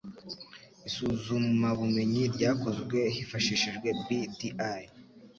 Isuzumabumenyi ryakozwe hifashishijwe BDI